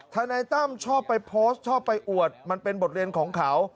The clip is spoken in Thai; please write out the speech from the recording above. ทนายตั้มชอบไปโพสต์ชอบไปอวดมันเป็นบทเรียนของเขา